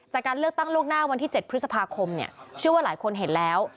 จากการเลือกตั้งล่วงหน้าวันที่๗พฤษภาคมเนี่ยเชื่อว่าหลายคนเห็นแล้ว